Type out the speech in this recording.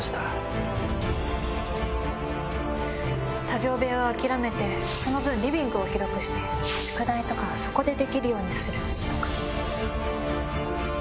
作業部屋は諦めてその分リビングを広くして宿題とかはそこでできるようにするとか。